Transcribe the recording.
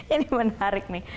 ini menarik nih